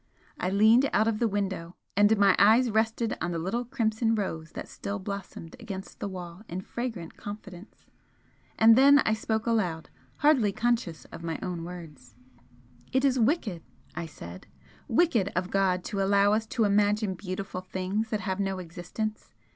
I leaned out of the window, and my eyes rested on the little crimson rose that still blossomed against the wall in fragrant confidence. And then I spoke aloud, hardly conscious of my own words "It is wicked" I said "wicked of God to allow us to imagine beautiful things that have no existence!